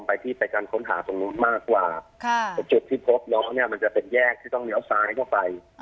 ไปที่ไปการค้นหาตรงนู้นมากกว่าค่ะแต่จุดที่พบน้องเนี่ยมันจะเป็นแยกที่ต้องเลี้ยวซ้ายเข้าไป